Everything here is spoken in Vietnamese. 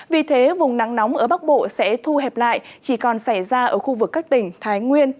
vì thế vùng nắng nóng ở bắc bộ sẽ thu hẹp lại chỉ còn xảy ra ở khu vực các tỉnh thái nguyên